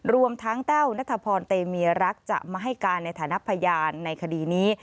รวมทั้งแต้วนัทพรเตมีรักจะมาให้การในฐานะพยานในคดีนี้